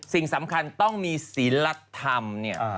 สิ่งสำคัญต้องมีศิลธรรมเนี่ย